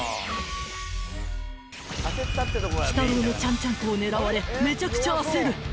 ［鬼太郎のちゃんちゃんこを狙われめちゃくちゃ焦る］